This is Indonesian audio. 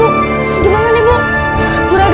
oh iya tidak tidak